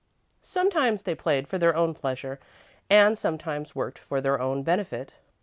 Sometimes they played for their own pleasure and sometimes worked for their own benefit.